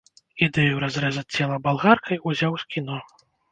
Ідэю разрэзаць цела балгаркай узяў з кіно.